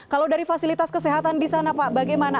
kalau dari fasilitas kesehatan di sana pak bagaimana